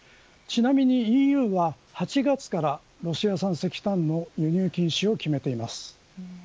ちなみにＥＵは８月からロシア産石炭の輸入禁止を決めています。